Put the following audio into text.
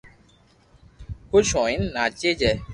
خوس ھوئين ناچي جي